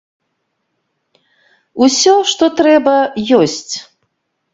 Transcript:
Усё, што трэба, ёсць.